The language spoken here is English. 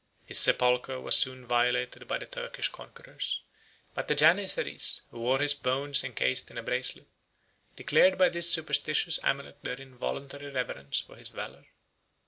44 His sepulchre was soon violated by the Turkish conquerors; but the Janizaries, who wore his bones enchased in a bracelet, declared by this superstitious amulet their involuntary reverence for his valor.